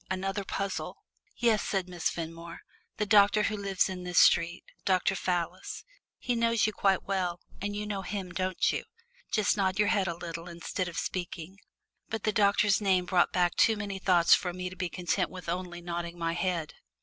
Another puzzle! "Yes," said Miss Fenmore, "the doctor who lives in this street Dr. Fallis. He knows you quite well, and you know him, don't you? Just nod your head a little, instead of speaking." But the doctor's name brought back too many thoughts for me to be content with only nodding my head.